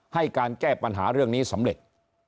ให้การแก้ปัญหาเรื่องนี้สำเร็จ